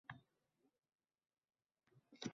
Bu ham yetmagandek, qo‘limga so‘zak kirib ketdi.